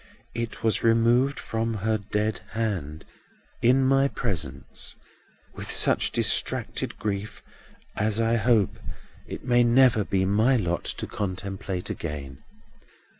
It was removed from her dead hand, in my presence, with such distracted grief as I hope it may never be my lot to contemplate again.